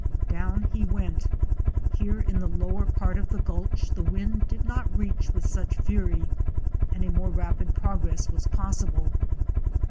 Down he went. Here in the lower part of the gulch the wind did not reach with such fury, and a more rapid progress was possible.